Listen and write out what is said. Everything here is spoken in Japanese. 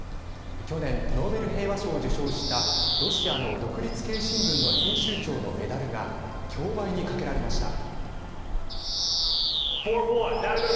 去年ノーベル平和賞を受賞したロシアの独立系新聞の編集長のメダルが競売にかけられました。